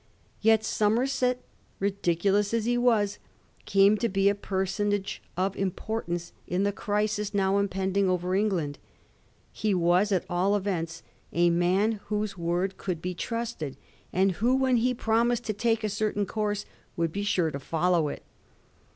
Yet Somerset, ridiculous as he was, came to be a per sonage of importance in the crisis now impending over England. He was, at all events, a man whose word could be trusted, and who, when he promised to take a certain course, would be sure to follow it.